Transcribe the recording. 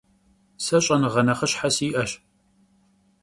Se ş'enığe nexhışhe si'eş.